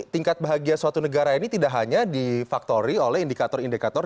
tingkat bahagia suatu negara ini tidak hanya difaktori oleh indikator indikator